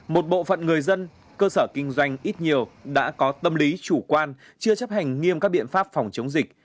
một bộ phận người dân cơ sở kinh doanh ít nhiều đã có tâm lý chủ quan chưa chấp hành nghiêm các biện pháp phòng chống dịch